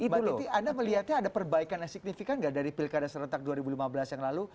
mbak titi anda melihatnya ada perbaikan yang signifikan nggak dari pilkada serentak dua ribu lima belas yang lalu